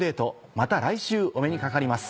また来週お目にかかります。